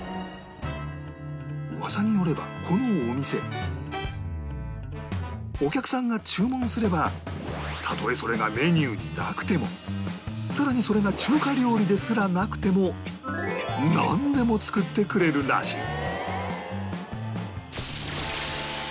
噂によればこのお店お客さんが注文すればたとえそれがメニューになくてもさらにそれが中華料理ですらなくてもなんでも作ってくれるらしい！